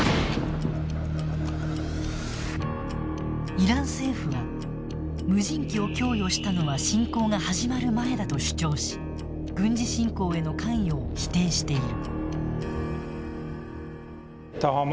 イラン政府は無人機を供与したのは侵攻が始まる前だと主張し軍事侵攻への関与を否定している。